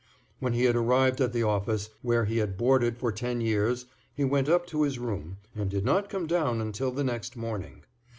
When he had arrived at the house, where he had boarded for ten years, he went up to his room, and did not come down until the next morning.